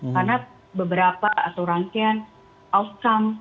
karena beberapa atau rangkaian outcome